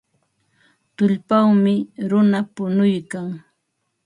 Tullpawmi runa punuykan.